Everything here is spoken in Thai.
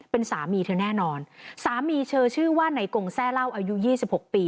เป็นสามีเธอแน่นอนสามีเธอชื่อว่าในกงแซ่เล่าอายุยี่สิบหกปี